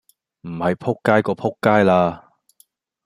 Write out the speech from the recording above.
唔係仆街過仆街啦